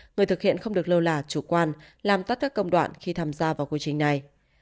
người thực hiện không được lơ là chủ quan làm tắt các công đoạn khi tham gia vào quy trình này